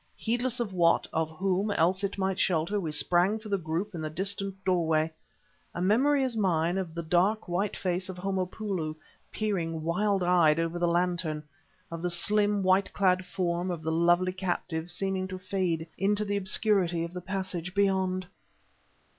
Heedless of what, of whom, else it might shelter, we sprang for the group in the distant doorway. A memory is mine of the dark, white face of Homopoulo, peering, wild eyed, over the lantern, of the slim, white clad form of the lovely captive seeming to fade into the obscurity of th passage beyond.